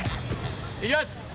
いきます！